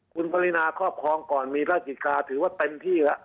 คุณปรินาครอบครองก่อนมีราชกิจการถือว่าเต็มที่แล้ว